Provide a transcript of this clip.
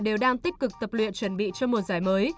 đều đang tích cực tập luyện chuẩn bị cho mùa giải mới